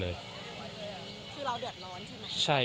คือเราเดือดร้อนใช่ไหม